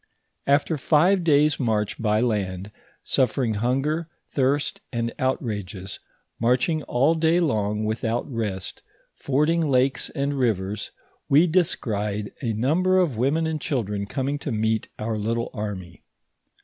After five days' march by land, suffering hunger, thirst, and outrages, marching all day long without rest, fording lakes and rivers, we descried a number of women an^ children coming to meet our little army.